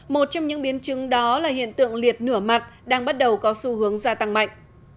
một trong những biến chứng đó là hiện tượng liệt nửa mặt đang bắt đầu có xu hướng gia tăng mạnh